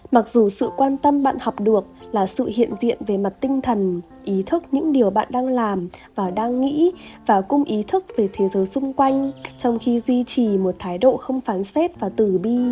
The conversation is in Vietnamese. mặc dù sự quan tâm bạn học được là sự hiện diện về mặt tinh thần ý thức những điều bạn đang làm và đang nghĩ và cùng ý thức về thế giới xung quanh trong khi duy trì một thái độ không phán xét và tử bi